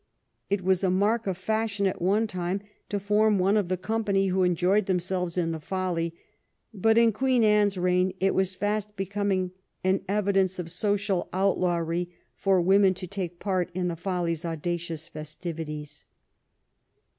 It was a mark of fashion at one time to form one of the company who enjoyed themselves in the Folly, but in Queen Anne's reign it was fast becoming an evidence of social out lawry for women to take part in the Folly's audacious festivities.